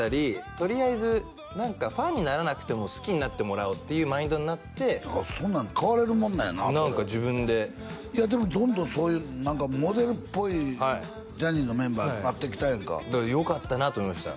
とりあえずファンにならなくても好きになってもらおうっていうマインドになってそんなん変われるもんなんやな何か自分でいやでもどんどんそういうモデルっぽいジャニーズのメンバーになってきたやんかだからよかったなと思いました